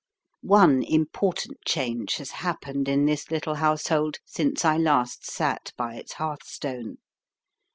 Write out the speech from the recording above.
One important change has happened in this little household since I last sat by its hearthstone.